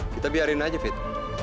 kita biarin aja fit